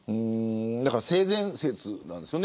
性善説なんですよね。